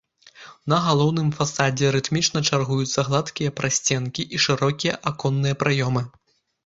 На галоўным фасадзе рытмічна чаргуюцца гладкія прасценкі і шырокія аконныя праёмы.